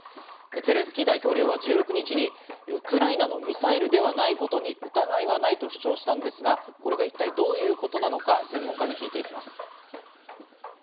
ゼレンスキー大統領は１６日に改めてウクライナのミサイルではないことに疑いはないと主張したのですが、これはどういうことなのか専門家に詳しく聞いていきます。